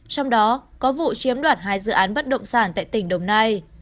trong đó có vụ chiếm đoạt hai dự án bất động sản tại tỉnh đồng nai